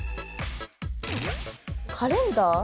カレンダー？